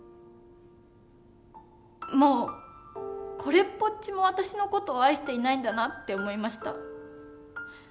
もうこれっぽっちも私の事を愛していないんだなって思いました。